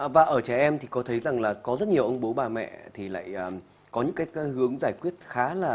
và ở trẻ em thì có thấy rằng là có rất nhiều ông bố bà mẹ thì lại có những cái hướng giải quyết khá là